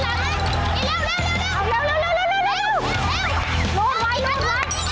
นิดเดียวข้างหน้ามา